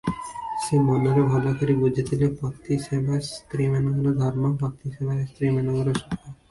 ସେ ମନରେ ଭଲକରି ବୁଝିଥିଲେ, ପତି ସେବା ସ୍ତ୍ରୀମାନଙ୍କର ଧର୍ମ, ପତି ସେବାରେ ସ୍ତ୍ରୀମାନଙ୍କର ସୁଖ ।